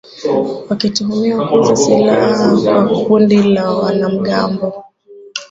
wakituhumiwa kuuza silaha kwa kundi la wanamgambo